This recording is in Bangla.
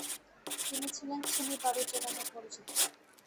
তিনি ছিলেন ছেনি বাঁড়ুজ্জে নামে পরিচিত।